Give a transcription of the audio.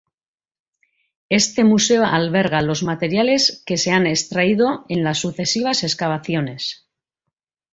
Este museo alberga los materiales que se han extraído en las sucesivas excavaciones.